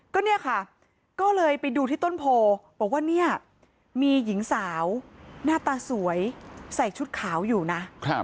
ก็เนี่ยค่ะก็เลยไปดูที่ต้นโพบอกว่าเนี่ยมีหญิงสาวหน้าตาสวยใส่ชุดขาวอยู่นะ